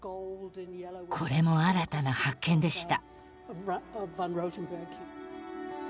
これも新たな発見でした。